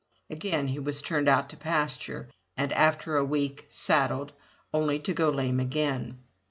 Again he was turned out to pasture, and after a week, saddled, only to go lame again.